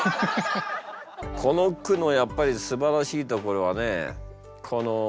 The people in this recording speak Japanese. この句のやっぱりすばらしいところはねこの。